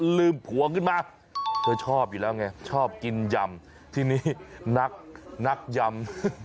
ผัวขึ้นมาเธอชอบอยู่แล้วไงชอบกินยำทีนี้นักยำ